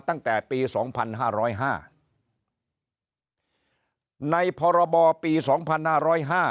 ตั้งแต่ปีสองพันห้าร้อยห้าในพรบปีสองพันห้าร้อยห้า